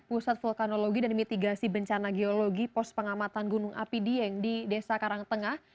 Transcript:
pusat vulkanologi dan mitigasi bencana geologi pos pengamatan gunung api dieng di desa karangtengah